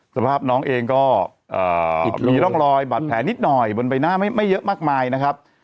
สภาพน้องเองก็มีร่องรอยบาดแผลนิดหน่อยบนใบหน้าไม่เยอะมากมายนะครับ